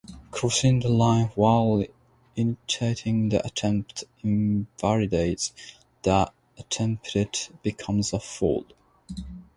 Crossing the line while initiating the attempt invalidates the attempt-it becomes a foul.